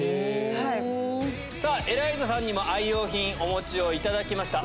エライザさんにも愛用品お持ちをいただきました。